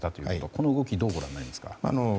この動きどうご覧になりますか。